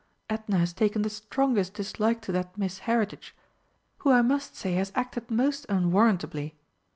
Edna has taken the strongest dislike to that Miss Heritage, who I must say has acted most unwarrantably.